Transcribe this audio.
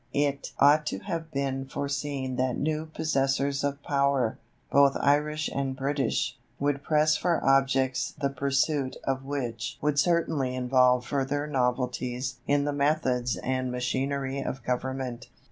It ought to have been foreseen that new possessors of power, both Irish and British, would press for objects the pursuit of which would certainly involve further novelties in the methods and machinery of government.